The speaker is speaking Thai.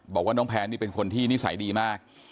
บอกว่าน้องแพนนี่เป็นคนที่นิสัยดีมาก